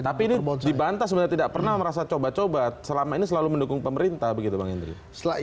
tapi ini dibantah sebenarnya tidak pernah merasa coba coba selama ini selalu mendukung pemerintah begitu bang hendri